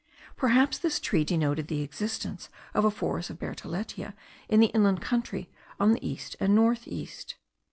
Perhaps this tree denoted the existence of a forest of bertholletia in the inland country on the east and north east.